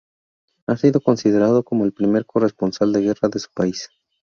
Ha sido considerado como "el primer corresponsal de guerra" de su país.